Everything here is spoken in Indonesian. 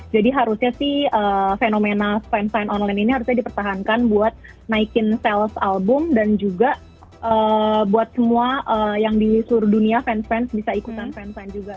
jadi harusnya sih fenomena fansign online ini harusnya dipertahankan buat naikin sales album dan juga buat semua yang di seluruh dunia fansign bisa ikutan fansign juga